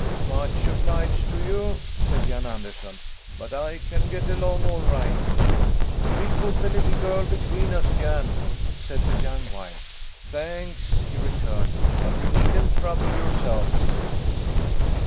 "Much obliged to you," said Jan Anderson, "but I can get along all right." "We'll put the little girl between us, Jan," said the young wife. "Thanks," he returned, "but you needn't trouble yourselves!"